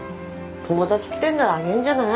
友達来てんならあげんじゃない？